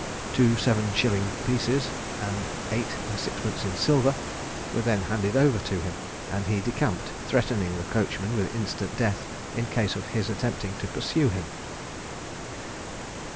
Two seven shilling pieces, and eight and sixpence in silver, were then handed over to him, and he decamped, threatening the coachman with instant death in case of his attempting to pursue him.